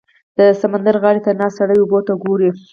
• د سمندر غاړې ته ناست سړی اوبو ته ګوري.